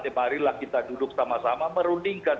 ya marilah kita duduk sama sama merundingkan